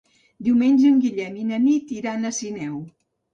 Diumenge en Guillem i na Nit iran a Sineu.